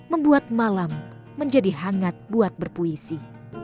membuat malam menjadi hangat buat berpuisi